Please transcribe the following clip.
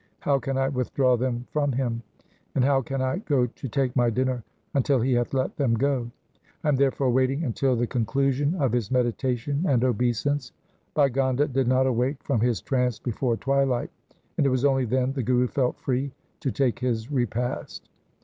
How can I withdraw them from him ? And how can I go to take my dinner until he hath let them go ? I am therefore waiting until the conclusion of his meditation and obeisance.' Bhai Gonda did not awake from his trance before twilight, and it was only then the Guru felt free to take his repast.